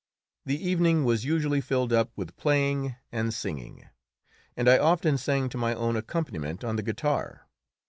The evening was usually filled up with playing and singing, and I often sang to my own accompaniment on the guitar.